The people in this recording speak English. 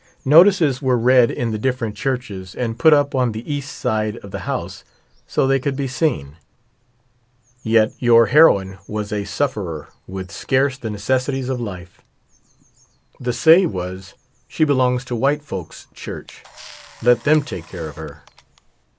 Notices were read in the different churches and put up on the east side of the house so they could be seen. Yet your heroine was a sufferer, with scarce the necessaries of life. The say was : "She belongs to white folks' church, let them take care of her."